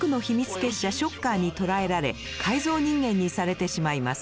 結社ショッカーに捕らえられ改造人間にされてしまいます。